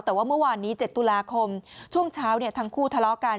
แต่ว่าเมื่อวานนี้๗ตุลาคมช่วงเช้าทั้งคู่ทะเลาะกัน